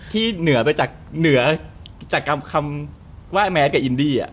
ที่เหนือจากคำว่าแมทกับอินดี้อะ